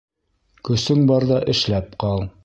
Көсөң барҙа эшләп ҡал.